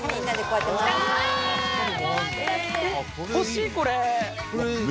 欲しい、これ。